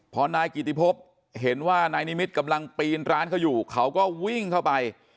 พอนายกิติพบเห็นว่านายนิมิตรกำลังปีนร้านเขาอยู่เขาก็วิ่งเข้าไป